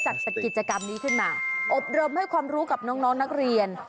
จัดเวลาที่เป็นกิจกรรมนี้ขึ้นมาอบเริมให้ความรู้กับน้องน้องเรียน